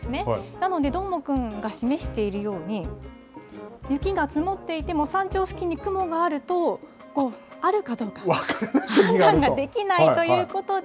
なので、どーもくんが示しているように、雪が積もっていても、山頂付近に雲があると、あるかどうか、判断ができないということで、